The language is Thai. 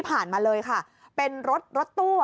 ที่ผ่านมาเลยเป็นรถตั้ว